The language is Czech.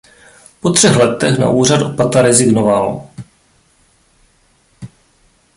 Po třech letech na úřad opata rezignoval.